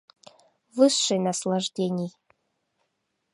Высший наслаждений!